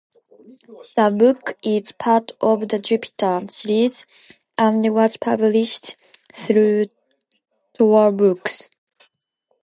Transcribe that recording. The book is part of the "Jupiter" series and was published through Tor Books.